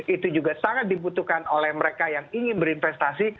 itu juga sangat dibutuhkan oleh mereka yang ingin berinvestasi